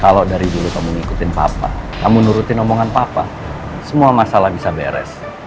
kalau dari dulu kamu ngikutin papa kamu nurutin omongan papa semua masalah bisa beres